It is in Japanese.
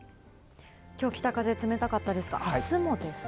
きょう、北風冷たかったですが、あすもですか？